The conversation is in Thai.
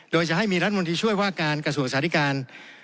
โดยจะให้มีรัฐมนตรีช่วยว่าการกระทรวงสาธิการ